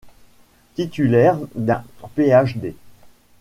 Titulaire d'un Ph.D.